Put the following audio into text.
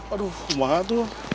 aduh kemana tuh